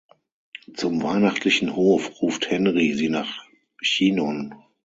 Zum weihnachtlichen Hof ruft Henry sie nach Chinon.